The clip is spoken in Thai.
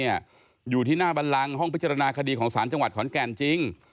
อยู่ที่หน้าบันลังห้องพิจารณาคดีของศาลจังหวัดขอนแก่นจริง